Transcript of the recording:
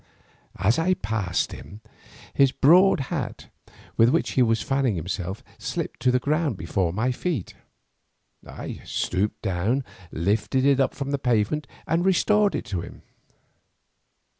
As I passed him, his broad hat with which he was fanning himself slipped to the ground before my feet. I stooped down, lifted it from the pavement, and restored it to him.